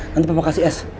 nanti mama kasih es